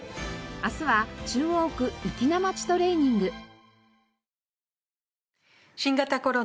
明日は中央区粋なまちトレーニング。